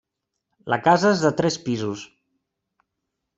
La casa és de tres pisos.